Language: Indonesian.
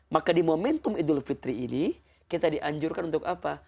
maka di momentum idul fitri ini kita dianjurkan untuk apa